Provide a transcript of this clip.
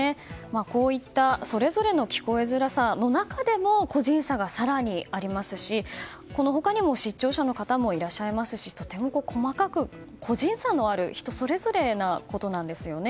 こういったそれぞれの聞こえづらさの中でも個人差が更にありますし他にも失聴者の方もいらっしゃいますしとても細かく個人差のある人それぞれなことなんですね。